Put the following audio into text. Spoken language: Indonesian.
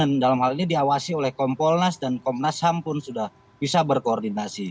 dan dalam hal ini diawasi oleh kompolnas dan kompnasham pun sudah bisa berkoordinasi